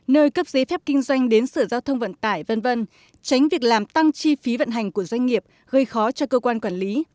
nơi cấp giấy phép kinh doanh đến sửa giao thông vận tải v v tránh việc làm tăng chi phí vận hành của doanh nghiệp gây khó cho cơ quan quản lý